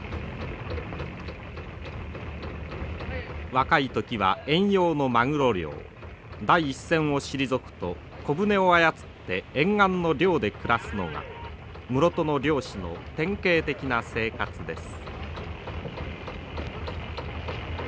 若い時は遠洋のマグロ漁第一線を退くと小船を操って沿岸の漁で暮らすのが室戸の漁師の典型的な生活です。